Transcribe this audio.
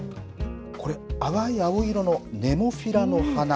これ淡い青色のネモフィラの花。